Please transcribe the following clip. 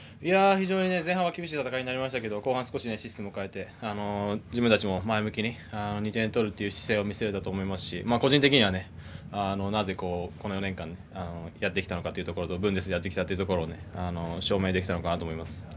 前半は厳しい戦いになりましたが後半はシステム変えて自分たちも前向きに２点取る姿勢を見せられたと思いますし個人的にはこの４年間やってきたこととブンデスでやってきたことを証明できたと思います。